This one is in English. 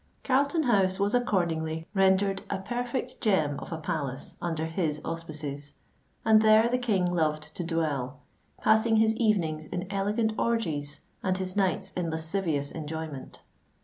Carlton House was accordingly rendered a perfect gem of a palace under his auspices; and there the King loved to dwell, passing his evenings in elegant orgies and his nights in lascivious enjoyment.